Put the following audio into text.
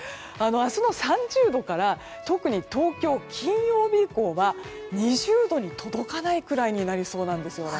明日の３０度から特に東京金曜日以降は２０度に届かないくらいになりそうなんです。